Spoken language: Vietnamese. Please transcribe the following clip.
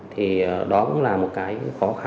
thì đó cũng là một cái khó khăn